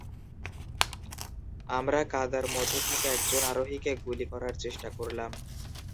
আমরা কাদার মধ্যে থাকা একজন আরোহীকে গুলি করার চেষ্টা করলাম।